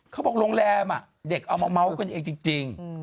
เขาบอกโรงแรมอ่ะเด็กเอามาเมาส์กันเองจริง